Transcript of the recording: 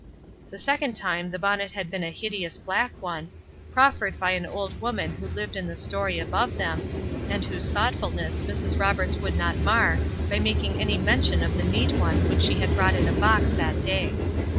The second time the bonnet had been a hideous black one, proffered by an old woman who lived in the story above them, and whose thoughtfulness Mrs. Roberts would not mar by making any mention of the neat one which she had brought in a box that day.